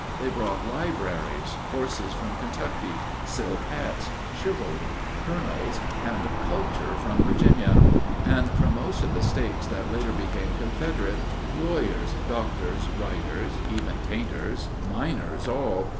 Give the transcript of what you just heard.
They brought "libraries ... horses from Kentucky ... silk hats, chivalry, colonels, and culture from Virginia; and from most of the states that later became Confederate, lawyers, doctors, writers, even painters—miners all....